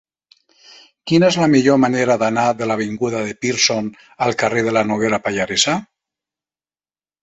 Quina és la millor manera d'anar de l'avinguda de Pearson al carrer de la Noguera Pallaresa?